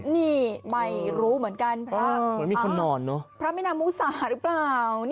นี่ไม่รู้เหมือนกันพระเหมือนมีคนนอนเนอะพระมินามุสาหรือเปล่า